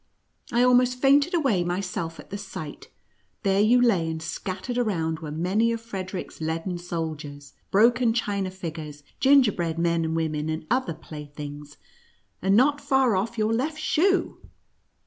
I almost fainted away myself at the sight. There you lay, and scattered around, were many of Fred eric's leaden soldiers, broken China figures, gin gerbread men and women and other playthings, and not far off your left shoe."